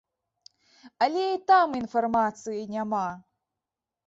Але і там інфармацыі няма!